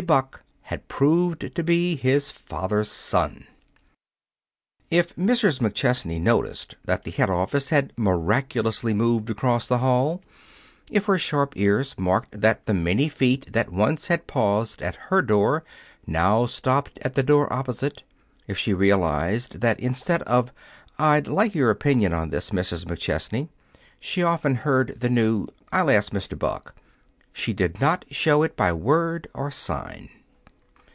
Buck had proved to be his father's son. If Mrs. McChesney noticed that the head office had miraculously moved across the hall, if her sharp ears marked that the many feet that once had paused at her door now stopped at the door opposite, if she realized that instead of, "I'd like your opinion on this, Mrs. McChesney," she often heard the new, "I'll ask Mr. Buck," she did not show it by word or sign.